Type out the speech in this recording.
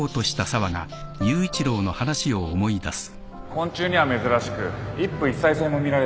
・昆虫には珍しく一夫一妻制も見られる虫なんです